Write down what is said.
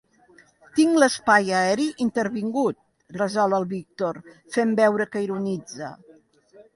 Tinc l'espai aeri intervingut —resol el Víctor fent veure que ironitza.